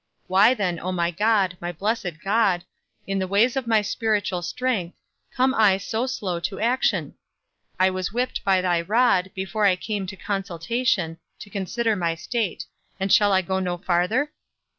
Why then, O my God, my blessed God, in the ways of my spiritual strength, come I so slow to action? I was whipped by thy rod, before I came to consultation, to consider my state; and shall I go no farther?